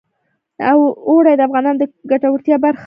اوړي د افغانانو د ګټورتیا برخه ده.